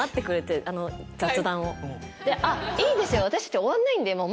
いいんですよ！